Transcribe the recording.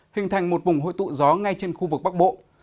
hình thành một vùng hội tụ gió ngay trên khu vực bắc bộ